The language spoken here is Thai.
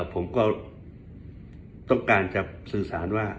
ผมก็ต้องการจะสื่อสารว่า